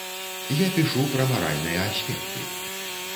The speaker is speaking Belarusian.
Я пішу пра маральныя аспекты.